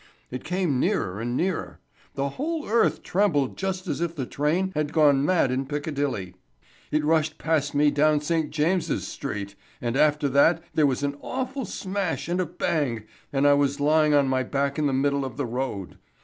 It came nearer and nearer; the whole earth trembled just as if the train had gone mad in Piccadilly. It rushed past me down St. James's Street, and after that there was an awful smash and a bang, and I was lying on my back in the middle of the road.